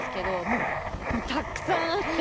もうたくさんあって。